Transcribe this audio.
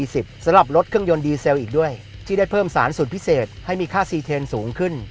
สำหรับรถเครื่องยนต์ดีเซลอีกด้วยที่ได้เพิ่มสารสูตรพิเศษให้มีค่าซีเทนสูงขึ้น